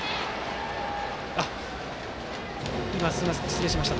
失礼いたしました。